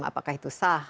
apakah itu saham atau apa